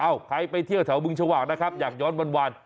เอ้าใครไปเที่ยวเฉาะเบื้องชาวักนะครับอยากย้อนวัน